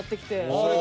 それが？